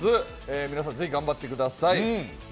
皆さん、ぜひ頑張ってください。